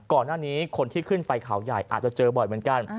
ก่อนหน้านี้คนที่ขึ้นไปเขาใหญ่อาจจะเจอบ่อยเหมือนกัน